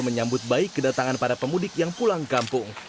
menyambut baik kedatangan para pemudik yang pulang kampung